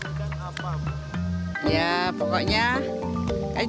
alasan ibu memilih pak anies baswedan apa